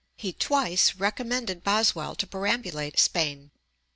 He twice recommended Boswell to perambulate Spain.